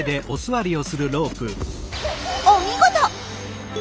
お見事！